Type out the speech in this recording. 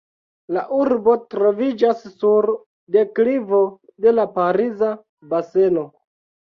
La urbo troviĝas sur deklivo de la Pariza Baseno.